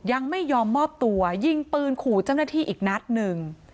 ยังไม่ยอมมอบตัวยิงปืนขู่เจ้าหน้าที่อีกนัดหนึ่ง